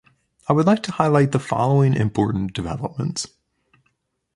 I would like to highlight the following important developments.